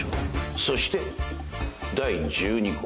そして第１２稿。